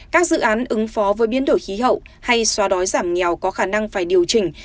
các dự án ứng phó với biến đổi khí hậu hay xóa đói giảm nghèo có khả năng phải điều chỉnh